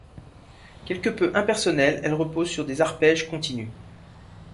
Quelque peu impersonnelle, elle repose sur des arpèges continus.